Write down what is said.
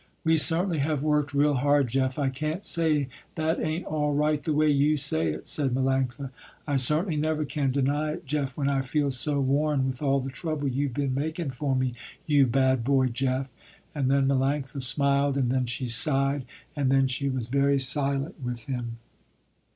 "We certainly have worked real hard, Jeff, I can't say that ain't all right the way you say it," said Melanctha. "I certainly never can deny it, Jeff, when I feel so worn with all the trouble you been making for me, you bad boy, Jeff," and then Melanctha smiled and then she sighed, and then she was very silent with him.